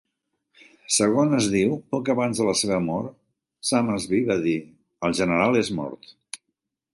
Segons es diu, poc abans de la seva mort, Summersby va dir: "El general és mort".